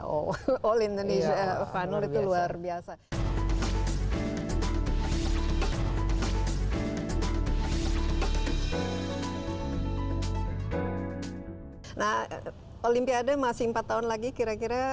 itu olin indonesia panor itu luar biasa nah olimpiade masih empat tahun lagi kira kira